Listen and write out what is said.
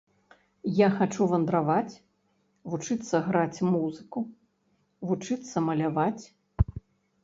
Я хачу вандраваць, вучыцца граць музыку, вучыцца маляваць.